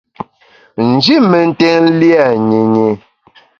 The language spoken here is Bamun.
Nji mentèn lia nyinyi.